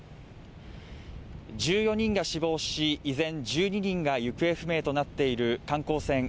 １４人が死亡し依然１２人が行方不明となっている観光船